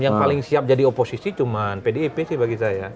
yang paling siap jadi oposisi cuma pdip sih bagi saya